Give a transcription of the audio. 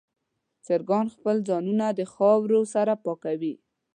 چرګان خپل ځانونه د خاورو سره پاکوي.